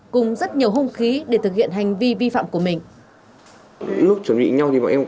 cùng rất nhiều hung khí để thực hiện hành vi vi phạm của mình